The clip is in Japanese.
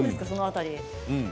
その辺り。